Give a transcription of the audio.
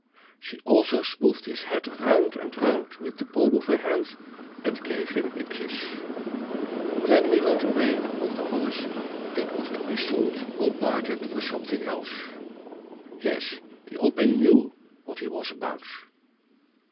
She also smoothed his hat round and round with the palm of her hand, and gave him a kiss. Then he rode away upon the horse that was to be sold or bartered for something else. Yes, the old man knew what he was about.